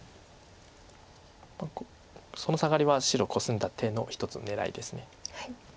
そのサガリは白コスんだ手の一つ狙いです。